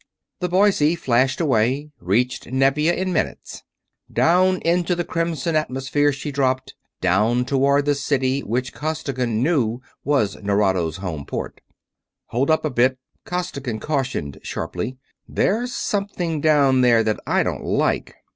The Boise flashed away; reached Nevia in minutes. Down into the crimson atmosphere she dropped, down toward the city which Costigan knew was Nerado's home port. "Hold up a bit!" Costigan cautioned, sharply. "There's something down there that I don't like!"